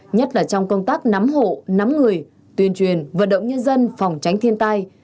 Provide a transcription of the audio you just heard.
nhất là trong công tác nắm hộ nắm người tuyên truyền vận động nhân dân phòng tránh thiên tai